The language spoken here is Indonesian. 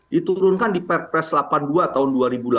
diturunkan di perpres delapan puluh dua tahun dua ribu delapan belas